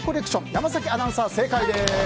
山崎アナウンサー、正解です。